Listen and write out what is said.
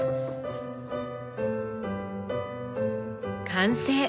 完成！